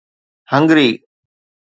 Hungary